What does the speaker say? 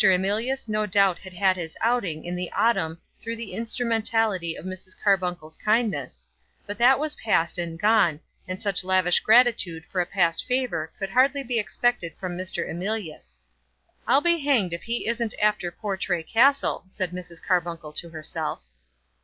Emilius no doubt had had his outing in the autumn through the instrumentality of Mrs. Carbuncle's kindness; but that was past and gone, and such lavish gratitude for a past favour could hardly be expected from Mr. Emilius. "I'll be hanged if he isn't after Portray Castle," said Mrs. Carbuncle to herself.